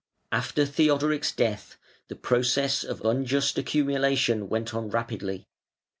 After Theodoric's death the process of unjust accumulation went on rapidly.